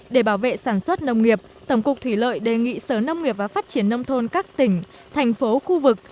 để bảo vệ sản xuất nông nghiệp tổng cục thủy lợi đề nghị sở nông nghiệp và phát triển nông thôn các tỉnh thành phố khu vực